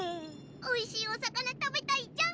おいしいお魚食べたいじゃん！